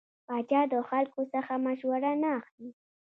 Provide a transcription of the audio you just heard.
پاچا د خلکو څخه مشوره نه اخلي .